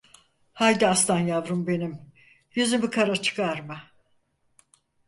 Haydi aslan yavrum benim, yüzümü kara çıkarma.